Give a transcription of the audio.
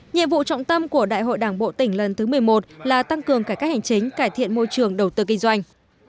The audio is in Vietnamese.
nhiệm vụ trọng tâm của đại hội đảng bộ tỉnh lần thứ một mươi một là tăng cường cải cách hành chính cải thiện môi trường đầu tư kinh doanh